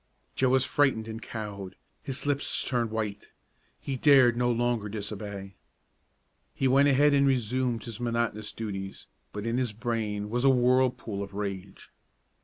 Joe was frightened and cowed. His lips turned white. He dared no longer disobey. He went ahead and resumed his monotonous duties, but in his brain was a whirlpool of rage.